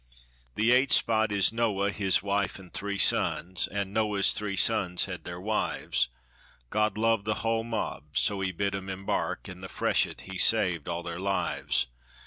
The 'eight spot' is Noah, his wife, an' three sons, An' Noah's three sons had their wives; God loved the hull mob, so bid 'em emb ark In the freshet he saved all their lives.